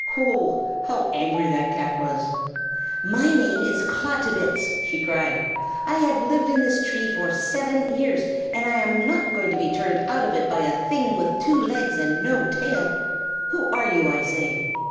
"Oh, how angry that cat was! "'My name is Klawtobitz!' she cried. 'I have lived in this tree for seven years, and I am not going to be turned out of it by a thing with two legs and no tail. Who are you, I say?'